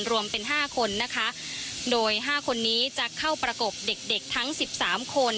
รวมเป็น๕คนนะคะโดย๕คนนี้จะเข้าประกบเด็กทั้ง๑๓คน